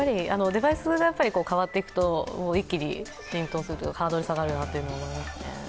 デバイスが変わっていくと一気に浸透するというか、ハードルが下がるなと思いますね。